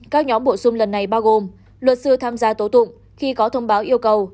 các nhóm bổ sung lần này bao gồm luật sư tham gia tố tụng khi có thông báo yêu cầu